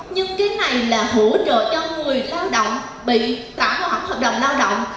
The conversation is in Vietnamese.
nhưng cái này là hỗ trợ cho người lao động bị tả hoảng hoạt động lao động